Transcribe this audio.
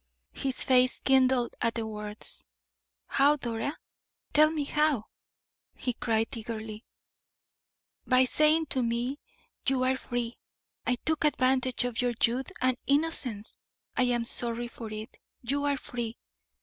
His face kindled at the words. "How, Dora? Tell me how!" he cried, eagerly. "By saying to me: 'You are free. I took advantage of your youth and innocence; I am sorry for it. You are free!